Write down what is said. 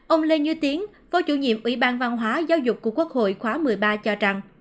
ông lê như tiến phó chủ nhiệm ủy ban văn hóa giáo dục của quốc hội khóa một mươi ba cho rằng